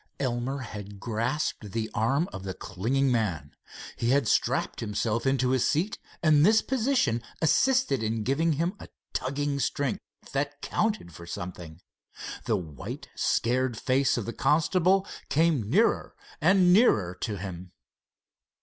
Elmer had grasped the arm of the clinging man. He had strapped himself into his seat, and this position assisted in giving him a tugging strength that counted for something. The white, scared face of the constable came nearer and nearer to him.